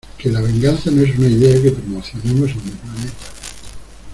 Que la venganza no es una idea que promocionemos en mi planeta.